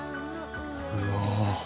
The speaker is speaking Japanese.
うわ！